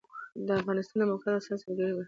د افغانستان د موقعیت د افغانستان د سیلګرۍ برخه ده.